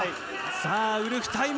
さあ、ウルフタイム。